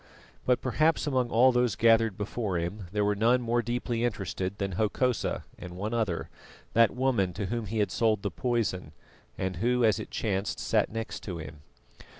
But perhaps among all those gathered before him there were none more deeply interested than Hokosa and one other, that woman to whom he had sold the poison, and who, as it chanced, sat next to him.